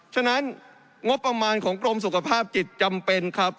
ฉะนั้นงบประมาณของกรมสุขภาพจิตจำเป็นครับ